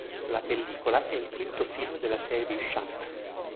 La pellicola è il quinto film della serie di "Shaft".